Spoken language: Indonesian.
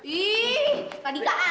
ih kak dika aneh deh